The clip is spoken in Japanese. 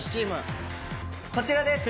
こちらです！